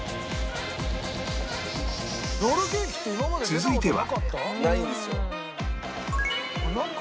続いては